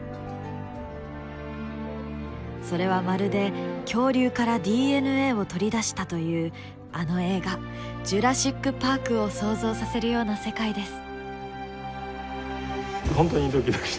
それはまるで恐竜からＤＮＡを取り出したというあの映画「ジュラシック・パーク」を想像させるような世界です。